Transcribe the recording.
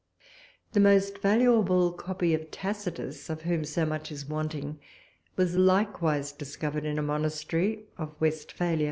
The most valuable copy of Tacitus, of whom so much is wanting, was likewise discovered in a monastery of Westphalia.